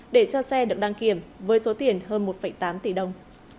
để cho xe được đăng kiểm với số tiền hơn một tám tỷ đồng